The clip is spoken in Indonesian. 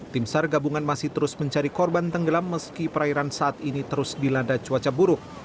tim sar gabungan masih terus mencari korban tenggelam meski perairan saat ini terus dilanda cuaca buruk